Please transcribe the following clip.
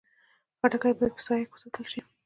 خټکی باید په سایه کې وساتل شي.